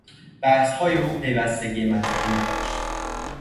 بحثهای او پیوستگی منطقی نداشت.